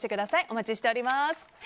お待ちしております。